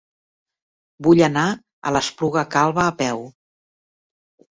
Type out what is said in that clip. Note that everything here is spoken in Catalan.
Vull anar a l'Espluga Calba a peu.